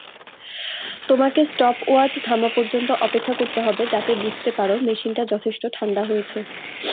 তোমাকে স্টপওয়াচ থামা পর্যন্ত অপেক্ষা করতে হবে যাতে বুঝতে পারো মেশিনটা যথেষ্ট ঠান্ডা হয়েছে।